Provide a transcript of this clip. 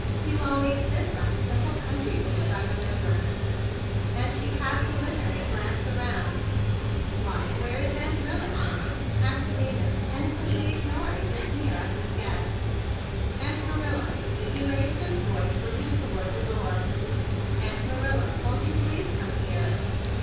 You always did like simple country ways, I re¬ member;" and she cast a withering glance around. "Why, where is Aunt Rilla, Mary?" asked Lyman, innocently ignoring the sneer of his guest. "Aunt Marilla!" he raised his voice, looking toward the door. "Aunt Marilla, won't you please come here?"